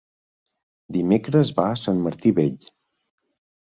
Dimecres va a Sant Martí Vell.